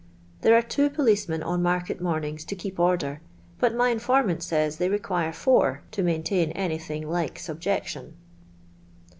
There are two policemen on market mornings to keep order, but my informant says they require four to maintain anything like subjection."